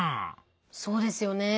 そうですよね。